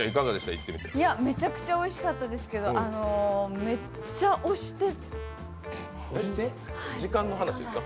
めちゃくちゃおいしかったですけど時間の話ですか？